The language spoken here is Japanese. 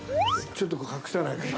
ちょっと隠さないと。